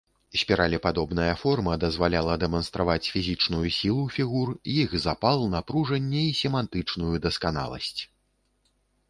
Спіралепадобная форма дазваляла дэманстраваць фізічную сілу фігур, іх запал, напружанне і семантычную дасканаласць.